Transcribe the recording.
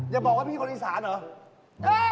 อย่าบอกว่าพี่คนอีสานเหรอ